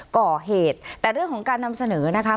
ก่อเหตุแต่เรื่องของการนำเสนอนะคะ